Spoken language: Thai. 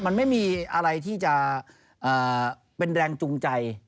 มันไม่มีอะไรที่จะเป็นแรงจูงใจ